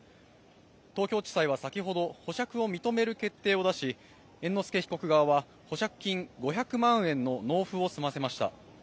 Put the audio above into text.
東京地裁は先ほど保釈を認める決定を出し猿之助被告側は保釈金５００万円の納付を済ませました。